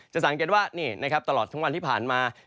สังเกตว่านี่นะครับตลอดทั้งวันที่ผ่านมา